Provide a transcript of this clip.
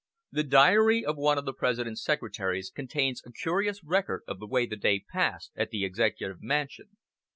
The diary of one of the President's secretaries contains a curious record of the way the day passed at the Executive Mansion.